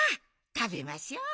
たべましょう。